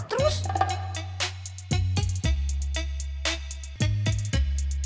terus aja kalau mama ngomong tuh kamu jawab